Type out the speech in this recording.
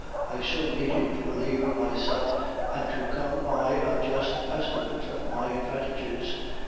I so needed to believe in myself and to come by a just estimate of my advantages.